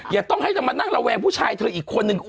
อย่าต้องให้จะมานั่งระแวงผู้ชายเธออีกคนนึง